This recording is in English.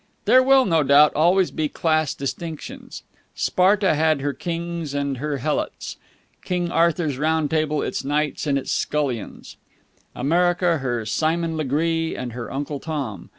There will, no doubt, always be class distinctions. Sparta had her kings and her helots, King Arthur's Round Table its knights and its scullions, America her Simon Legree and her Uncle Tom.